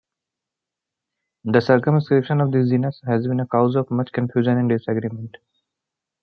The circumscription of this genus has been a cause of much confusion and disagreement.